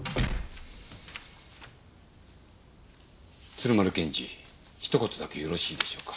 鶴丸検事ひと言だけよろしいでしょうか？